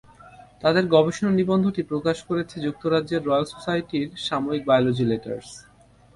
তাঁদের গবেষণা নিবন্ধটি প্রকাশ করেছে যুক্তরাজ্যের রয়েল সোসাইটির সাময়িকী বায়োলজি লেটার্স।